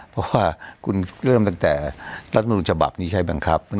เพราะว่าคุณเริ่มตั้งแต่รัฐมนูลฉบับนี้ใช้บังคับ